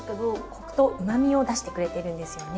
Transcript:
コクとうまみを出してくれているんですよね。